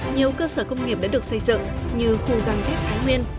nhiều cơ sở công nghiệp đã được xây dựng như khu găng thép thái nguyên